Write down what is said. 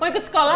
mau ikut sekolah